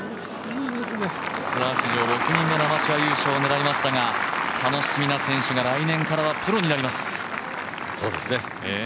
ツアー史上６人目のアマチュア優勝を狙いますが楽しみな選手が来年からはプロになります。